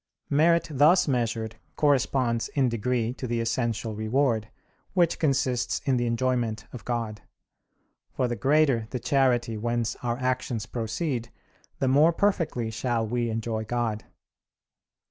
Merit thus measured corresponds in degree to the essential reward, which consists in the enjoyment of God; for the greater the charity whence our actions proceed, the more perfectly shall we enjoy God.